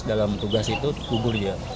dalam tugas itu kubur dia